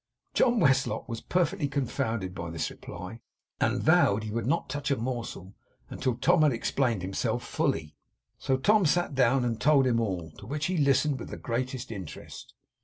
John Westlock was perfectly confounded by this reply, and vowed he would not touch a morsel until Tom had explained himself fully. So Tom sat down, and told him all; to which he listened with the greatest interest.